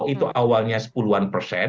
itu awalnya sepuluhan persen